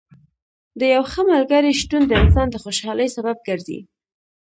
د یو ښه ملګري شتون د انسان د خوشحالۍ سبب ګرځي.